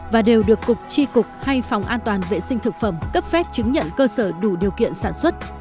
và đều được cục tri cục hay phòng an toàn vệ sinh thực phẩm cấp phép chứng nhận cơ sở đủ điều kiện sản xuất